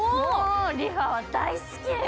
ＲｅＦａは大好き。